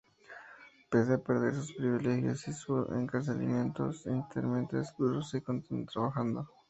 Pese a perder sus privilegios y sus encarcelamientos intermitentes, Bruce continuó trabajando.